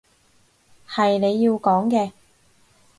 係你要講嘅